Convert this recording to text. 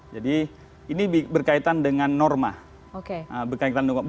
jadi ini berkaitan dengan norma